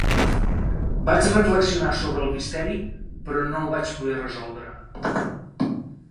Vaig reflexionar sobre el misteri, però no el vaig poder resoldre.